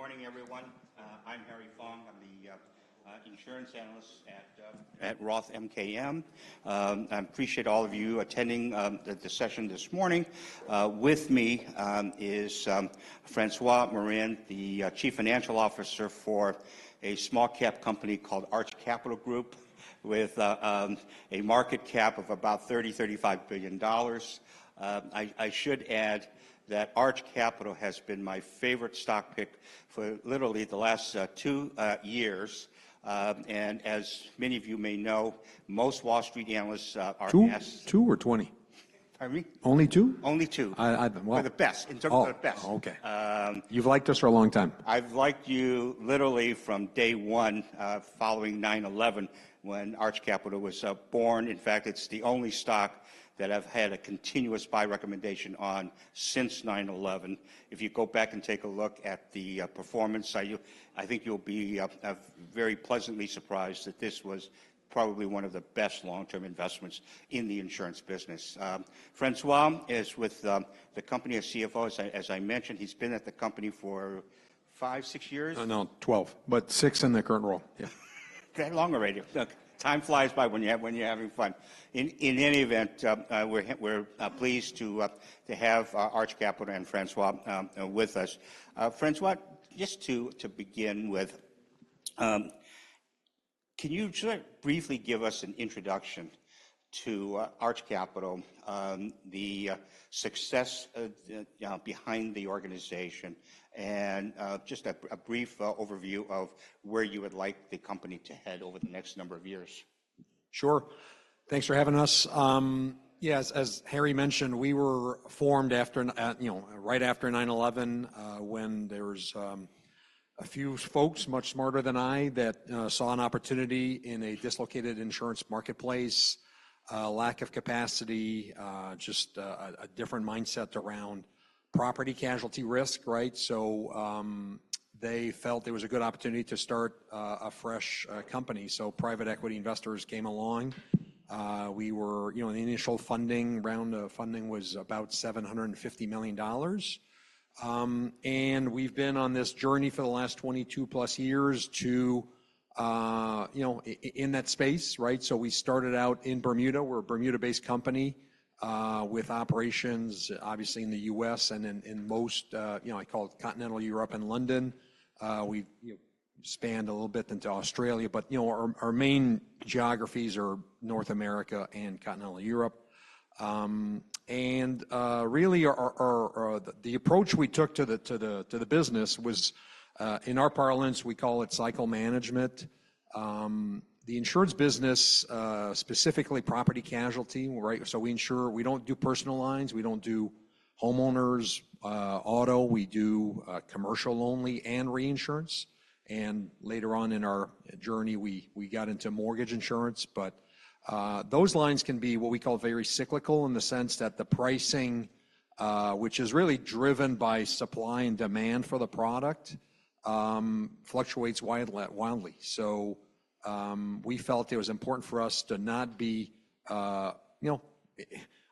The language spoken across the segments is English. Good morning, everyone. I'm Harry Fong. I'm the insurance analyst at Roth MKM. I appreciate all of you attending the session this morning. With me is François Morin, the Chief Financial Officer for a small-cap company called Arch Capital Group with a market cap of about $30-$35 billion. I should add that Arch Capital has been my favorite stock pick for literally the last two years. As many of you may know, most Wall Street analysts are asked. 2. 2, or 20? Are we? Only two? Only two. I, I w. They're the best in terms of the best. Oh, okay. You've liked us for a long time. I've liked you literally from day one, following 9/11 when Arch Capital was born. In fact, it's the only stock that I've had a continuous buy recommendation on since 9/11. If you go back and take a look at the performance, you'll, I think, be very pleasantly surprised that this was probably one of the best long-term investments in the insurance business. François is with the company as CFO. As I mentioned, he's been at the company for 5, 6 years? No, 12. But six in the current role, yeah. That long already. Okay. Time flies by when you're having fun. In any event, we're pleased to have Arch Capital and François with us. François, just to begin with, can you sort of briefly give us an introduction to Arch Capital, the success, you know, behind the organization, and just a brief overview of where you would like the company to head over the next number of years? Sure. Thanks for having us. Yeah, as Harry mentioned, we were formed after, and you know, right after 9/11, when there was a few folks much smarter than I that saw an opportunity in a dislocated insurance marketplace, lack of capacity, just a different mindset around property casualty risk, right? So they felt it was a good opportunity to start a fresh company. So private equity investors came along. We were, you know, in the initial funding round; funding was about $750 million. And we've been on this journey for the last 22+ years to, you know, in that space, right? So we started out in Bermuda. We're a Bermuda-based company with operations, obviously, in the US and in most, you know, I call it Continental Europe and London. We, you know, spanned a little bit into Australia. But, you know, our main geographies are North America and Continental Europe. And, really, the approach we took to the business was, in our parlance, we call it cycle management. The insurance business, specifically property casualty, right, so we insure we don't do personal lines. We don't do homeowners, auto. We do commercial-only and reinsurance. And later on in our journey, we got into mortgage insurance. But, those lines can be what we call very cyclical in the sense that the pricing, which is really driven by supply and demand for the product, fluctuates wildly, wildly. So, we felt it was important for us to not be, you know,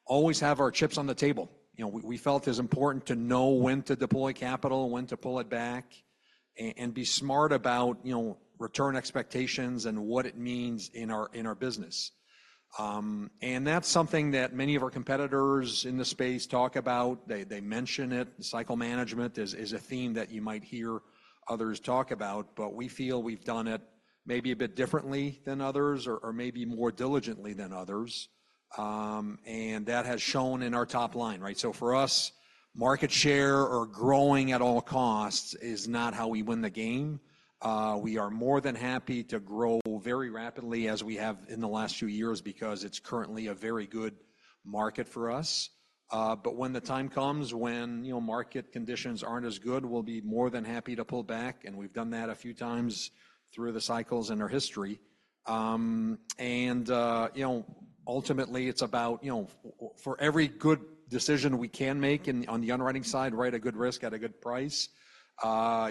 always have our chips on the table. You know, we felt it was important to know when to deploy capital and when to pull it back and be smart about, you know, return expectations and what it means in our business. That's something that many of our competitors in the space talk about. They mention it. Cycle management is a theme that you might hear others talk about. But we feel we've done it maybe a bit differently than others or maybe more diligently than others. That has shown in our top line, right? For us, market share or growing at all costs is not how we win the game. We are more than happy to grow very rapidly as we have in the last few years because it's currently a very good market for us. But when the time comes, when, you know, market conditions aren't as good, we'll be more than happy to pull back. We've done that a few times through the cycles in our history. You know, ultimately, it's about, you know, for every good decision we can make in on the underwriting side, right, a good risk at a good price,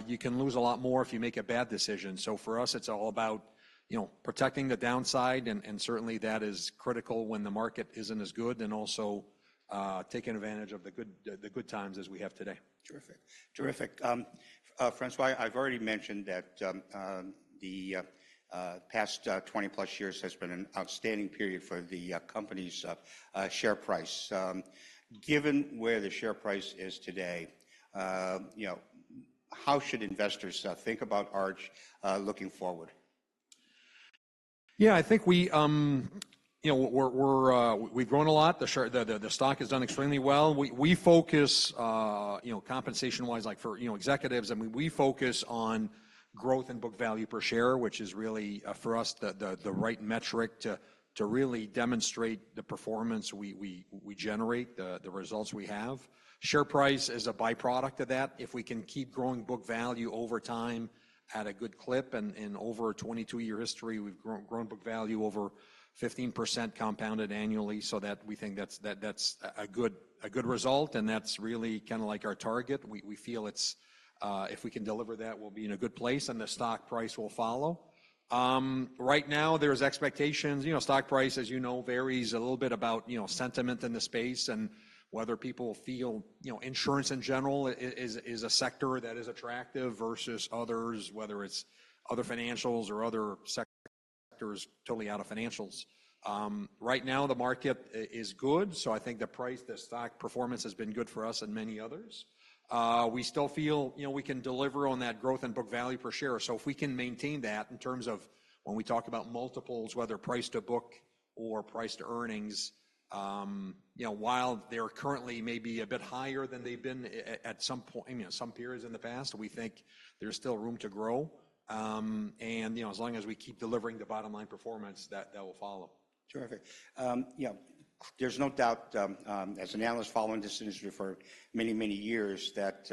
you can lose a lot more if you make a bad decision. So for us, it's all about, you know, protecting the downside. And certainly, that is critical when the market isn't as good and also taking advantage of the good, the good times as we have today. Terrific. Terrific. François, I've already mentioned that the past 20+ years has been an outstanding period for the company's share price. Given where the share price is today, you know, how should investors think about Arch looking forward? Yeah, I think we, you know, we've grown a lot. The stock has done extremely well. We focus, you know, compensation-wise, like, for executives, I mean, we focus on growth in book value per share, which is really, for us, the right metric to really demonstrate the performance we generate, the results we have. Share price is a byproduct of that. If we can keep growing book value over time at a good clip, and in over a 22-year history, we've grown book value over 15% compounded annually, so that we think that's a good result. And that's really kind of like our target. We feel it's, if we can deliver that, we'll be in a good place, and the stock price will follow. Right now, there's expectations. You know, stock price, as you know, varies a little bit about, you know, sentiment in the space and whether people feel, you know, insurance in general is a sector that is attractive versus others, whether it's other financials or other sectors totally out of financials. Right now, the market is good. So I think the price, the stock performance has been good for us and many others. We still feel, you know, we can deliver on that growth in book value per share. So if we can maintain that in terms of when we talk about multiples, whether price to book or price to earnings, you know, while they're currently maybe a bit higher than they've been at some point, you know, some periods in the past, we think there's still room to grow. You know, as long as we keep delivering the bottom-line performance, that will follow. Terrific. You know, there's no doubt, as an analyst following this industry for many, many years, that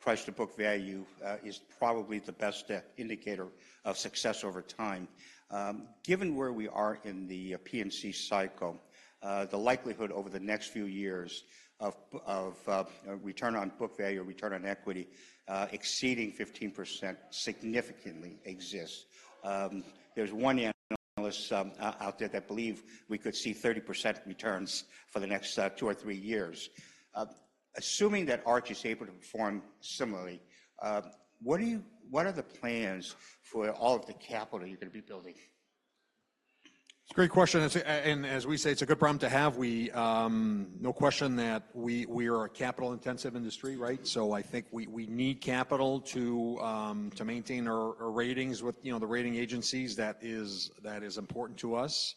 price to book value is probably the best indicator of success over time. Given where we are in the P&C cycle, the likelihood over the next few years of return on book value or return on equity exceeding 15% significantly exists. There's one analyst out there that believe we could see 30% returns for the next two or three years. Assuming that Arch is able to perform similarly, what are the plans for all of the capital you're going to be building? It's a great question. It's a, and as we say, it's a good problem to have. No question that we are a capital-intensive industry, right? So I think we need capital to maintain our ratings with, you know, the rating agencies. That is important to us.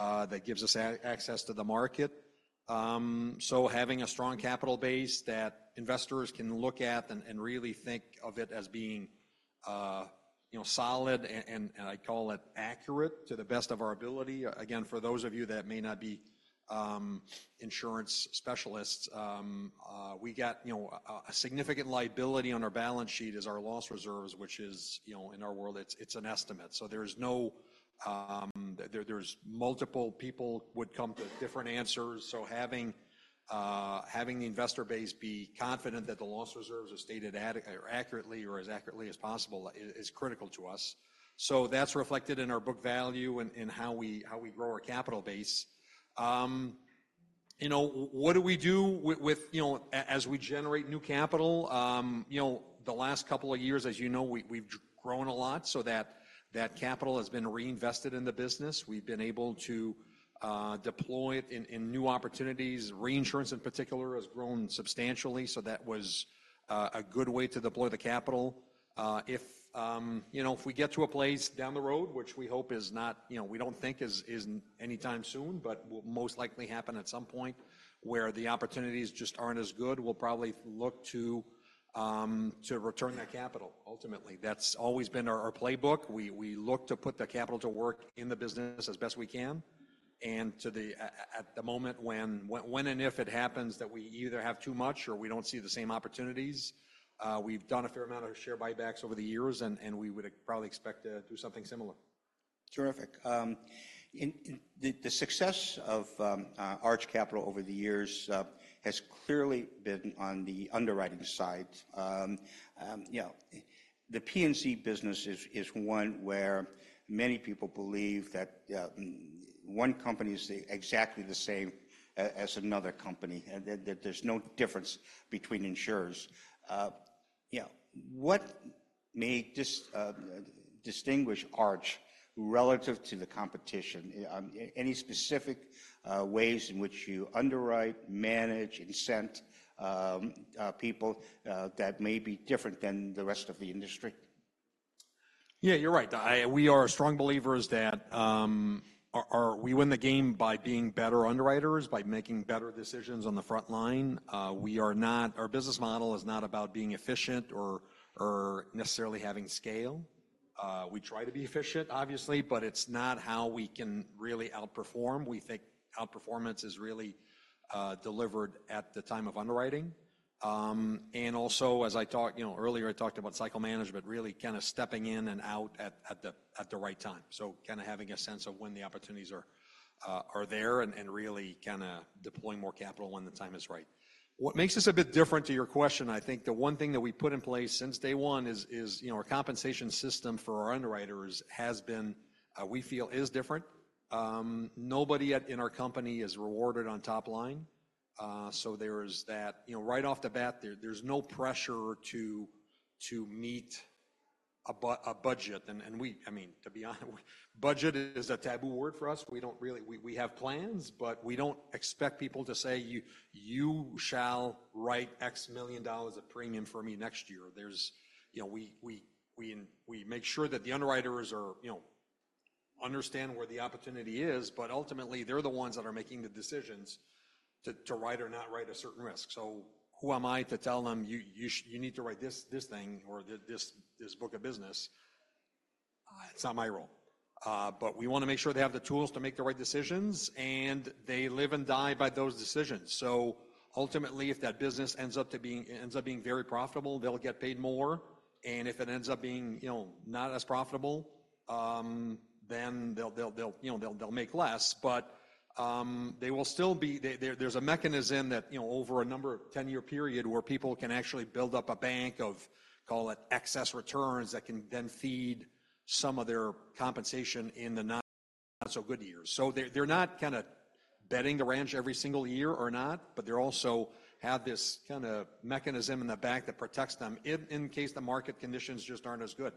That gives us access to the market. So having a strong capital base that investors can look at and really think of it as being, you know, solid and I call it accurate to the best of our ability. Again, for those of you that may not be insurance specialists, we got, you know, a significant liability on our balance sheet is our loss reserves, which is, you know, in our world, it's an estimate. So there's no, there, there's multiple people would come to different answers. So having the investor base be confident that the loss reserves are stated adequate or accurately or as accurately as possible is critical to us. So that's reflected in our book value and, and how we grow our capital base. You know, what do we do with, you know, as we generate new capital? You know, the last couple of years, as you know, we've grown a lot so that capital has been reinvested in the business. We've been able to deploy it in new opportunities. Reinsurance, in particular, has grown substantially. So that was a good way to deploy the capital. If, you know, if we get to a place down the road, which we hope is not, you know, we don't think is anytime soon, but will most likely happen at some point where the opportunities just aren't as good, we'll probably look to return that capital, ultimately. That's always been our playbook. We look to put the capital to work in the business as best we can. And at the moment when and if it happens that we either have too much or we don't see the same opportunities, we've done a fair amount of share buybacks over the years, and we would probably expect to do something similar. Terrific. In the success of Arch Capital over the years has clearly been on the underwriting side. You know, the P&C business is one where many people believe that one company is exactly the same as another company, and that there's no difference between insurers. You know, what may distinguish Arch relative to the competition? Any specific ways in which you underwrite, manage, incent people that may be different than the rest of the industry? Yeah, you're right. We are strong believers that we win the game by being better underwriters, by making better decisions on the front line. We are not. Our business model is not about being efficient or necessarily having scale. We try to be efficient, obviously, but it's not how we can really outperform. We think outperformance is really delivered at the time of underwriting. And also, as I talked, you know, earlier, I talked about cycle management, really kind of stepping in and out at the right time. So kind of having a sense of when the opportunities are there and really kind of deploying more capital when the time is right. What makes this a bit different to your question, I think the one thing that we put in place since day one is, you know, our compensation system for our underwriters has been, we feel, is different. Nobody in our company is rewarded on top line. So there is that, you know, right off the bat, there's no pressure to meet a budget. And we, I mean, to be honest, budget is a taboo word for us. We don't really, we have plans, but we don't expect people to say, you shall write $X million of premium for me next year. There's, you know, we make sure that the underwriters are, you know, understand where the opportunity is, but ultimately, they're the ones that are making the decisions to write or not write a certain risk. So who am I to tell them, you need to write this thing or this book of business? It's not my role. But we want to make sure they have the tools to make the right decisions, and they live and die by those decisions. So ultimately, if that business ends up being very profitable, they'll get paid more. And if it ends up being, you know, not as profitable, then they'll make less. But they will still be there. There's a mechanism that, you know, over a number of 10-year period where people can actually build up a bank of, call it, excess returns that can then feed some of their compensation in the not-so-good years. So they're not kind of betting the ranch every single year or not, but they also have this kind of mechanism in the back that protects them in case the market conditions just aren't as good.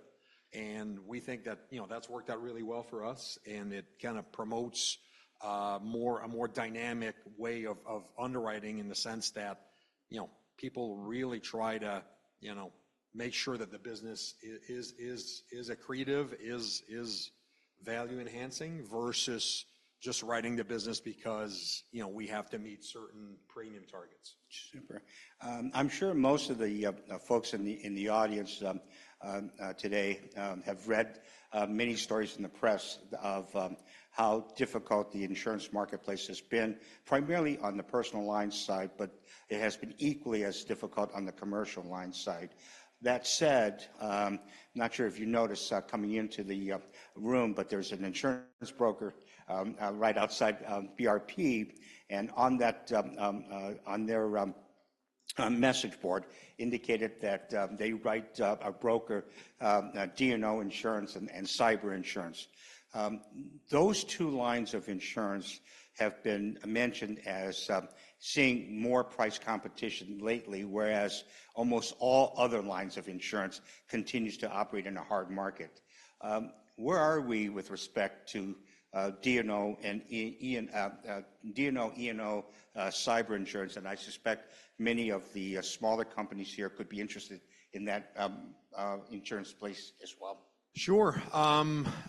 And we think that, you know, that's worked out really well for us. And it kind of promotes a more dynamic way of underwriting in the sense that, you know, people really try to, you know, make sure that the business is accretive, is value-enhancing versus just writing the business because, you know, we have to meet certain premium targets. Super. I'm sure most of the folks in the audience today have read many stories in the press of how difficult the insurance marketplace has been, primarily on the personal line side, but it has been equally as difficult on the commercial line side. That said, not sure if you noticed coming into the room, but there's an insurance broker right outside, BRP. And on that, on their message board indicated that they write a broker D&O insurance and cyber insurance. Those two lines of insurance have been mentioned as seeing more price competition lately, whereas almost all other lines of insurance continues to operate in a hard market. Where are we with respect to D&O and E&O, D&O, E&O, cyber insurance? And I suspect many of the smaller companies here could be interested in that insurance place as well. Sure. I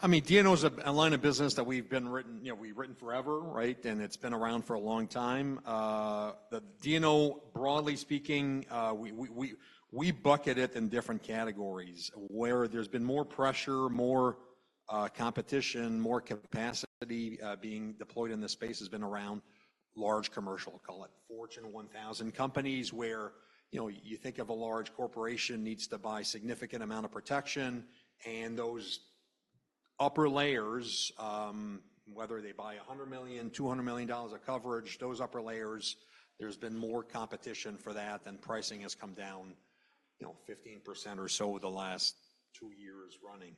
mean, D&O is a line of business that we've been written you know, we've written forever, right? And it's been around for a long time. The D&O, broadly speaking, we bucket it in different categories where there's been more pressure, more competition, more capacity, being deployed in the space has been around large commercial, call it Fortune 1000 companies where, you know, you think of a large corporation needs to buy a significant amount of protection. And those upper layers, whether they buy $100 million, $200 million of coverage, those upper layers, there's been more competition for that, and pricing has come down, you know, 15% or so the last two years running.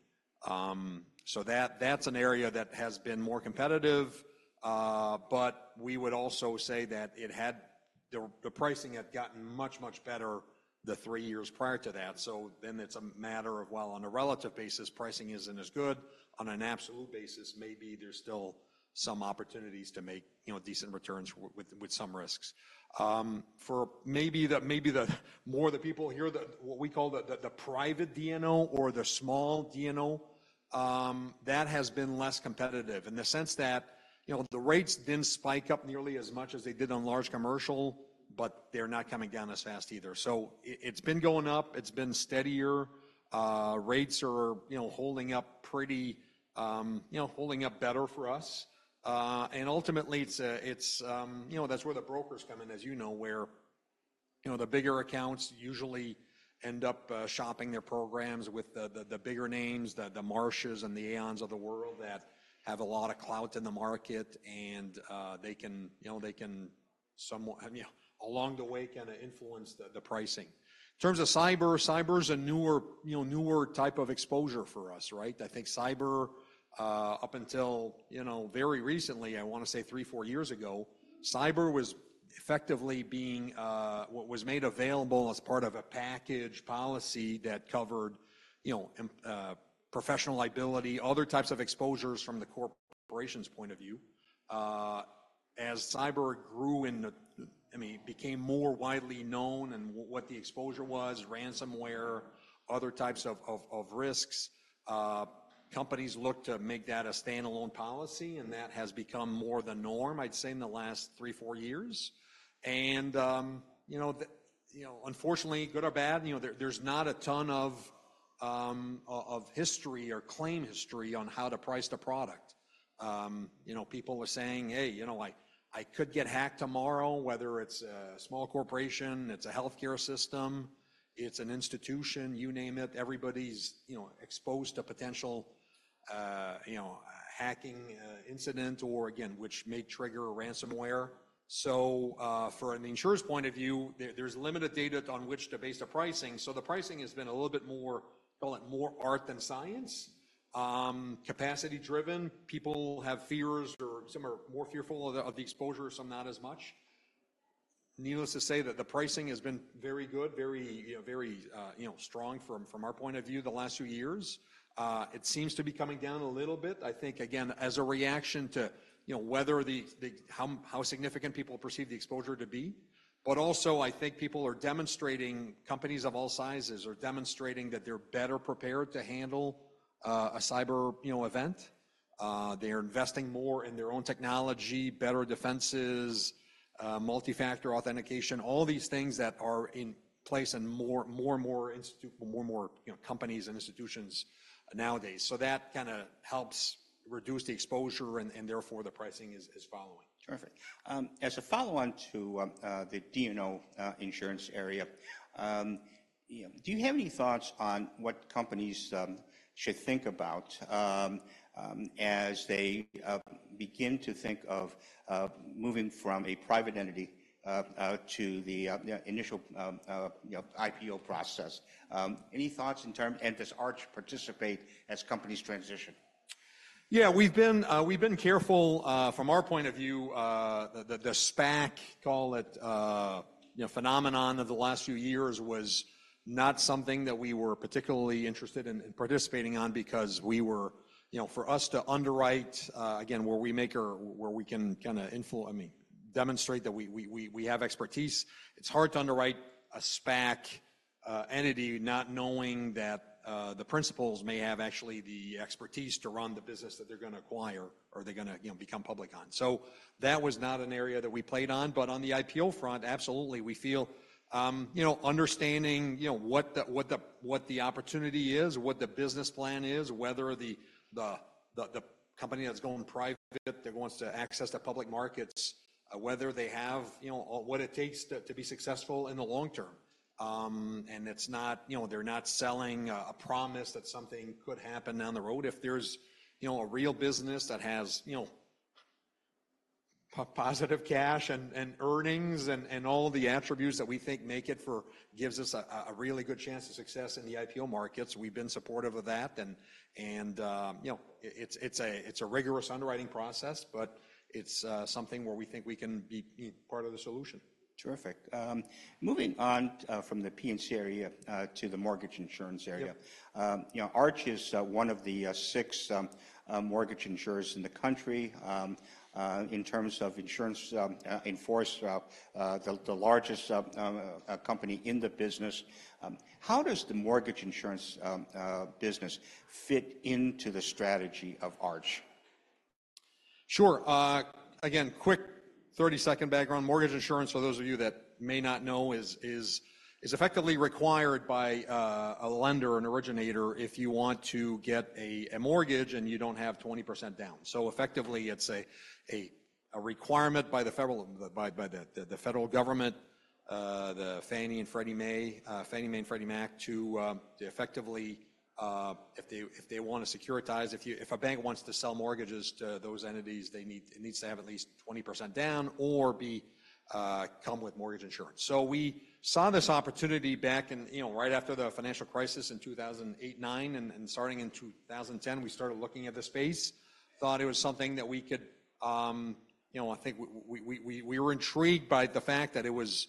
So that's an area that has been more competitive. But we would also say that the pricing had gotten much, much better the three years prior to that. So then it's a matter of, well, on a relative basis, pricing isn't as good. On an absolute basis, maybe there's still some opportunities to make, you know, decent returns with some risks. For maybe the more people hear what we call the private D&O or the small D&O, that has been less competitive in the sense that, you know, the rates didn't spike up nearly as much as they did on large commercial, but they're not coming down as fast either. So it's been going up. It's been steadier. Rates are, you know, holding up pretty, you know, holding up better for us. and ultimately, it's, you know, that's where the brokers come in, as you know, where, you know, the bigger accounts usually end up shopping their programs with the bigger names, the Marshes and the Aons of the world that have a lot of clout in the market. And they can, you know, somewhat, you know, along the way, kind of influence the pricing. In terms of cyber, cyber is a newer, you know, newer type of exposure for us, right? I think cyber, up until, you know, very recently, I want to say 3-4 years ago, cyber was effectively what was made available as part of a package policy that covered, you know, E&O professional liability, other types of exposures from the corporation's point of view. As cyber grew, I mean, became more widely known and what the exposure was, ransomware, other types of risks, companies looked to make that a standalone policy, and that has become more the norm, I'd say, in the last 3, 4 years. And, you know, unfortunately, good or bad, you know, there's not a ton of history or claim history on how to price the product. You know, people are saying, hey, you know, like, I could get hacked tomorrow, whether it's a small corporation, it's a healthcare system, it's an institution, you name it, everybody's, you know, exposed to potential, you know, hacking incident or, again, which may trigger ransomware. So, for an insurer's point of view, there's limited data on which to base the pricing. So the pricing has been a little bit more, call it, more art than science, capacity-driven. People have fears or some are more fearful of the exposure, some not as much. Needless to say that the pricing has been very good, very, you know, very, you know, strong from our point of view the last few years. It seems to be coming down a little bit, I think, again, as a reaction to, you know, whether the how significant people perceive the exposure to be. But also, I think people are demonstrating companies of all sizes are demonstrating that they're better prepared to handle a cyber, you know, event. They are investing more in their own technology, better defenses, multifactor authentication, all these things that are in place in more and more institutions, more companies and institutions nowadays. So that kind of helps reduce the exposure and therefore, the pricing is following. Terrific. As a follow-on to the D&O insurance area, you know, do you have any thoughts on what companies should think about as they begin to think of moving from a private entity to the initial, you know, IPO process? Any thoughts in terms, and does Arch participate as companies transition? Yeah, we've been careful, from our point of view, the SPAC, call it, you know, phenomenon of the last few years was not something that we were particularly interested in participating on because we were, you know, for us to underwrite, again, where we can kind of, I mean, demonstrate that we have expertise, it's hard to underwrite a SPAC entity not knowing that the principals may actually have the expertise to run the business that they're going to acquire or they're going to, you know, become public on. So that was not an area that we played on. But on the IPO front, absolutely, we feel, you know, understanding, you know, what the opportunity is, what the business plan is, whether the company that's going public, that wants to access the public markets, whether they have, you know, all what it takes to be successful in the long term. And it's not, you know, they're not selling a promise that something could happen down the road. If there's, you know, a real business that has, you know, positive cash and earnings and all the attributes that we think make it gives us a really good chance of success in the IPO markets, we've been supportive of that. And you know, it's a rigorous underwriting process, but it's something where we think we can be part of the solution. Terrific. Moving on, from the P&C area, to the mortgage insurance area. Yep. You know, Arch is one of the six mortgage insurers in the country, in terms of insurance in force, the largest company in the business. How does the mortgage insurance business fit into the strategy of Arch? Sure. Again, quick 30-second background. Mortgage insurance, for those of you that may not know, is effectively required by a lender, an originator, if you want to get a mortgage and you don't have 20% down. So effectively, it's a requirement by the federal government, the Fannie Mae and Freddie Mac, to effectively, if they want to securitize, if a bank wants to sell mortgages to those entities, it needs to have at least 20% down or come with mortgage insurance. So we saw this opportunity back in, you know, right after the financial crisis in 2008, 2009, and starting in 2010, we started looking at the space, thought it was something that we could, you know, I think we were intrigued by the fact that it was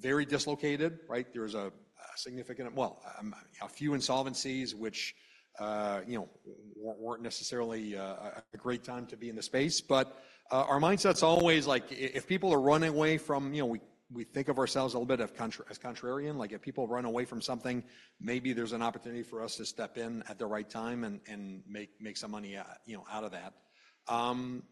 very dislocated, right? There was a significant, well, I'm, you know, a few insolvencies, which, you know, weren't necessarily a great time to be in the space. But our mindset's always like, if people are running away from, you know, we think of ourselves a little bit contrarian. Like, if people run away from something, maybe there's an opportunity for us to step in at the right time and make some money, you know, out of that.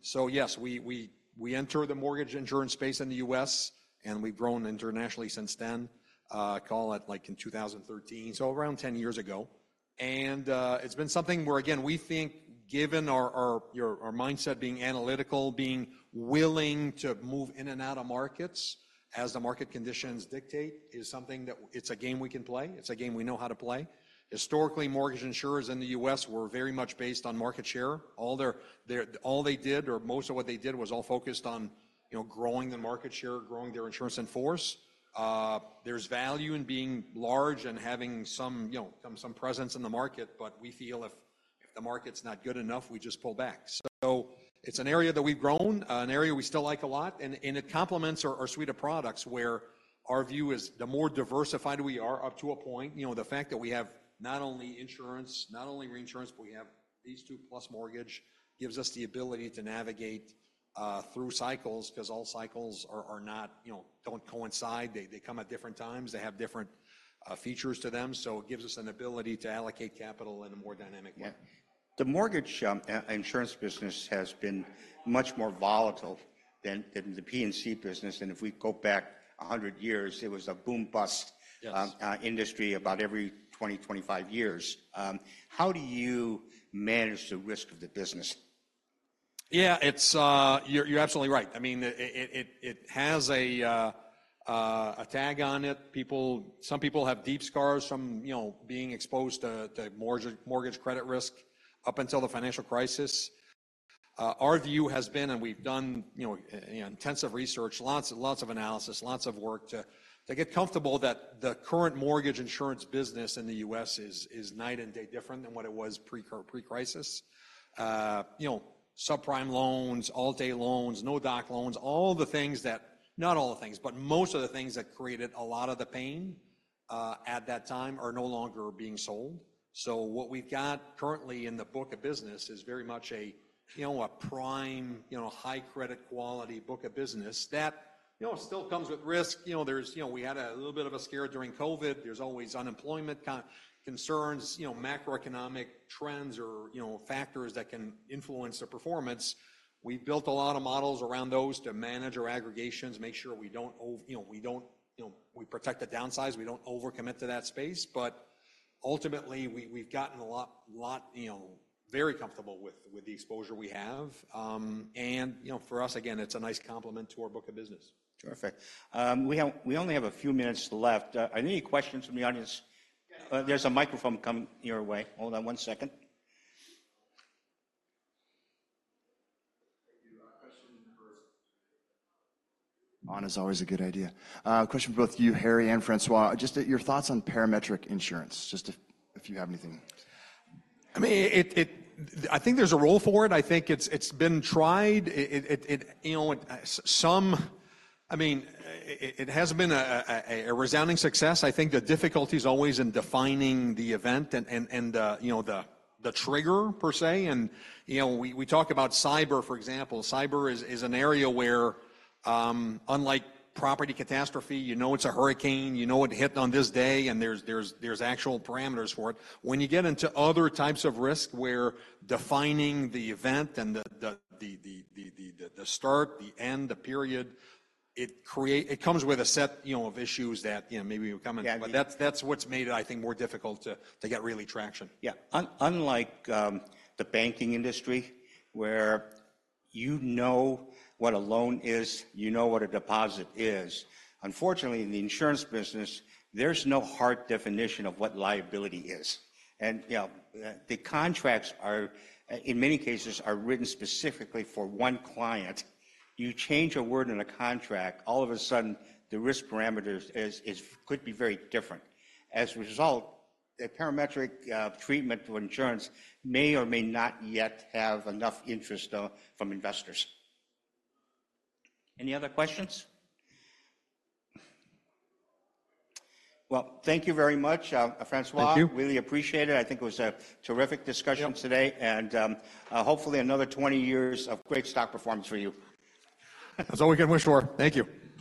So yes, we entered the mortgage insurance space in the U.S. and we've grown internationally since then, call it like in 2013, so around 10 years ago. And, it's been something where, again, we think, given our mindset being analytical, being willing to move in and out of markets as the market conditions dictate, is something that it's a game we can play. It's a game we know how to play. Historically, mortgage insurers in the U.S. were very much based on market share. All they did or most of what they did was all focused on, you know, growing the market share, growing their insurance in force. There's value in being large and having some, you know, some presence in the market. But we feel if the market's not good enough, we just pull back. So it's an area that we've grown, an area we still like a lot. And it complements our suite of products where our view is the more diversified we are up to a point, you know, the fact that we have not only insurance, not only reinsurance, but we have these two plus mortgage gives us the ability to navigate through cycles because all cycles are not, you know, don't coincide. They come at different times. They have different features to them. So it gives us an ability to allocate capital in a more dynamic way. Yeah. The mortgage insurance business has been much more volatile than the P&C business. And if we go back 100 years, it was a boom-bust industry about every 20-25 years. How do you manage the risk of the business? Yeah, it's, you're absolutely right. I mean, it has a tag on it. Some people have deep scars from, you know, being exposed to mortgage credit risk up until the financial crisis. Our view has been and we've done, you know, intensive research, lots of analysis, lots of work to get comfortable that the current mortgage insurance business in the U.S. is night and day different than what it was pre-crisis. You know, subprime loans, Alt-A loans, no-doc loans, all the things, but most of the things that created a lot of the pain at that time are no longer being sold. So what we've got currently in the book of business is very much a, you know, a prime, you know, high-credit quality book of business that, you know, still comes with risk. You know, there's you know, we had a little bit of a scare during COVID. There's always unemployment kind of concerns, you know, macroeconomic trends or, you know, factors that can influence the performance. We built a lot of models around those to manage our aggregations, make sure we don't over you know, we don't you know, we protect the downsides. We don't overcommit to that space. But ultimately, we, we've gotten a lot, lot, you know, very comfortable with, with the exposure we have. And, you know, for us, again, it's a nice complement to our book of business. Terrific. We only have a few minutes left. Any questions from the audience? There's a microphone coming your way. Hold on one second. Thank you. Question for. One is always a good idea. Question for both you, Harry, and François. Just your thoughts on parametric insurance, just if you have anything. I mean, I think there's a role for it. I think it's been tried. You know, I mean, it has been a resounding success. I think the difficulty is always in defining the event and, you know, the trigger per se. You know, we talk about cyber, for example. Cyber is an area where, unlike property catastrophe, you know, it's a hurricane, you know, it hit on this day, and there's actual parameters for it. When you get into other types of risk where defining the event and the start, the end, the period, it comes with a set, you know, of issues that, you know, maybe we'll come into. But that's what's made it, I think, more difficult to get real traction. Yeah. Unlike the banking industry, where you know what a loan is, you know what a deposit is, unfortunately, in the insurance business, there's no hard definition of what liability is. You know, the contracts in many cases are written specifically for one client. You change a word in a contract, all of a sudden, the risk parameters could be very different. As a result, the parametric treatment of insurance may or may not yet have enough interest from investors. Any other questions? Well, thank you very much, François. Thank you. Really appreciate it. I think it was a terrific discussion today. Hopefully, another 20 years of great stock performance for you. That's all we can wish for. Thank you.